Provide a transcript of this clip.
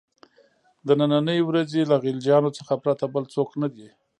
د نني ورځې له غلجیانو څخه پرته بل څوک نه دي.